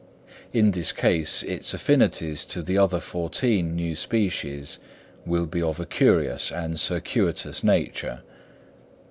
In this case its affinities to the other fourteen new species will be of a curious and circuitous nature.